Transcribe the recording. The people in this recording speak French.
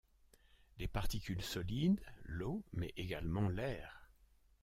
Les particules solides, l'eau, mais également l'air.